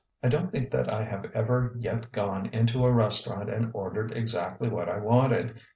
I don't think that I have ever yet gone into a restaurant and ordered exactly what I wanted.